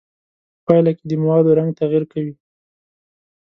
په پایله کې د موادو رنګ تغیر کوي.